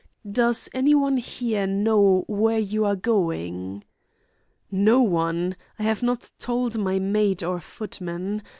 Does anyone here know where you are going?" "No one. I have not told my maid or footman.